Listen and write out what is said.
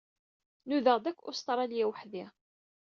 Nudaɣ-d akk Ustṛalya weḥd-i.